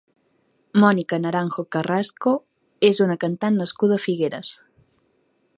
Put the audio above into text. Mónica Naranjo Carrasco és una cantant nascuda a Figueres.